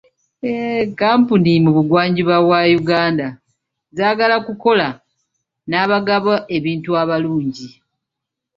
Kampuni mu buggwanjuba bwa Uganda zaagala kukola n'abagaba ebintu abalungi.